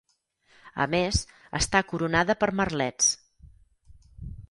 A més, està coronada per merlets.